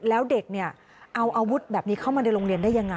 แล้วเด็กเนี่ยเอาอาวุธแบบนี้เข้ามาในโรงเรียนได้ยังไง